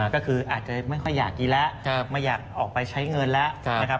ก็คืออาจจะไม่ค่อยอยากกินแล้วไม่อยากออกไปใช้เงินแล้วนะครับ